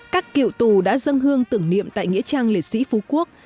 các cựu tù đã dân hương tưởng niệm tại nghĩa trang liệt sĩ phú quốc